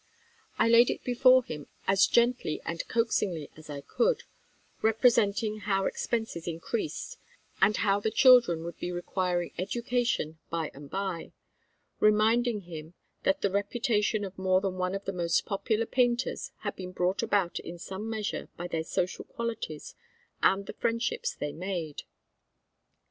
I laid it before him as gently and coaxingly as I could, representing how expenses increased, and how the children would be requiring education by and by, reminding him that the reputation of more than one of the most popular painters had been brought about in some measure by their social qualities and the friendships they made.